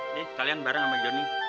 nih kalian bareng sama jonny